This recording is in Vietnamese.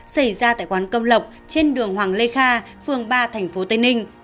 xảy ra tại quán công lộc trên đường hoàng lê kha phường ba tp tây ninh